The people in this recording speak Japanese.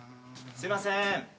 すいませーん。